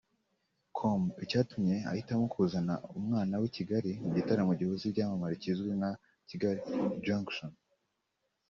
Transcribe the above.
com icyatumye ahitamo kuzana umwana we i Kigali mu gitaramo gihuza ibyamamare kizwi nka Kigali Jazz Junction